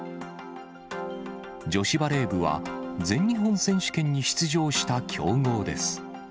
女子バレー部は全日本選手権に出場した強豪です。